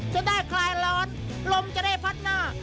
คลายร้อนลมจะได้พัดหน้า